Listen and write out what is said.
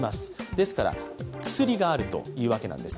ですから薬があるというわけなんです。